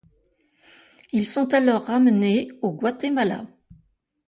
Ils sont alors ramenés au Guatemala.